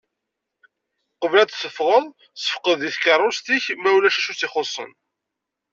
Uqbel ad tefɣeḍ sefqed i tkerrust-ik ma ulac d acu i tt-ixuṣṣen.